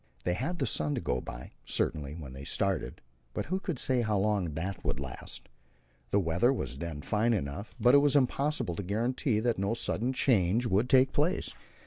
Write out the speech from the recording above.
They had the sun to go by, certainly, when they started, but who could say how long it would last? The weather was then fine enough, but it was impossible to guarantee that no sudden change would take place.